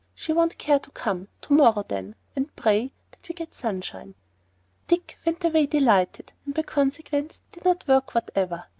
She won't care to come. To morrow, then; and pray that we get sunshine." Dick went away delighted, and by consequence did no work whatever.